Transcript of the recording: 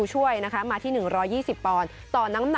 ช่วยเทพธรรมไทยรัช